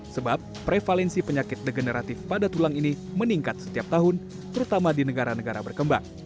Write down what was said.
sebab prevalensi penyakit degeneratif pada tulang ini meningkat setiap tahun terutama di negara negara berkembang